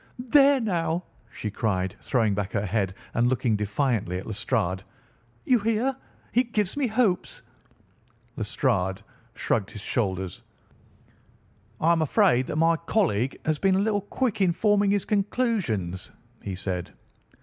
"There, now!" she cried, throwing back her head and looking defiantly at Lestrade. "You hear! He gives me hopes." Lestrade shrugged his shoulders. "I am afraid that my colleague has been a little quick in forming his conclusions," he said.